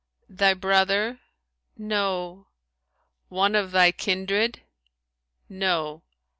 Thy brother?' "No!' "One of thy kindred?' No!'